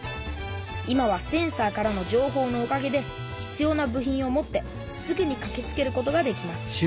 今はセンサーからのじょうほうのおかげで必要な部品を持ってすぐにかけつけることができます